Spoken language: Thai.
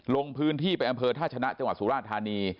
ลงพื้นที่ไปอำเภอท่าชนะจังหวัดสุราธานี